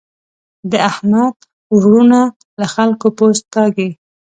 د احمد وروڼه له خلګو پوست کاږي.